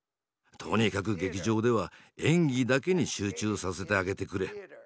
とにかく劇場では演技だけに集中させてあげてくれ。